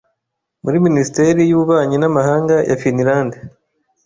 muri Minisiteri y’Ububanyi n’Amahanga ya Finland,